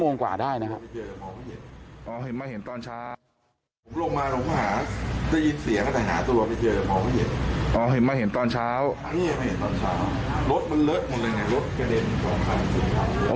รถมันเลอะหมดเลยไงรถกระเด็นความความสุข